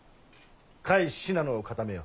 甲斐信濃を固めよ。